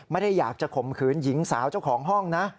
ไม่ได้อยากจะข่มขืนหญิงสาวเจ้าของห้องนะ